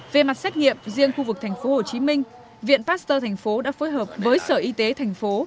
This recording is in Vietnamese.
về mặt xét nghiệm riêng khu vực thành phố hồ chí minh viện pasteur thành phố đã phối hợp với sở y tế thành phố